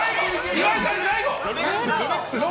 岩井さん、最後。